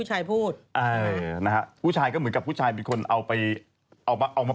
จากตัวหลายแล้วเนี่ย